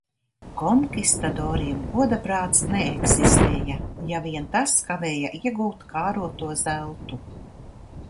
Konkistadoriem goda prāts neeksistēja, ja vien tas kavēja iegūt kāroto zeltu.